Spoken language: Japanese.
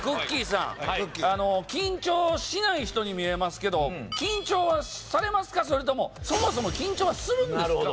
さん緊張しない人に見えますけど緊張はされますかそれともそもそも緊張はするんですか？